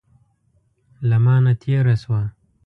له مانه تېره شوه.